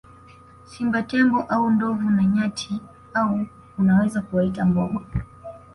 Simba Tembo au ndovu na nyati au unaweza kuwaita mbogo